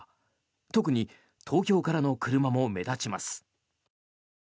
特に東京からの車も目立ちます。